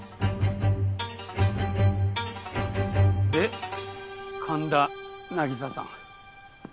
で神田凪沙さん。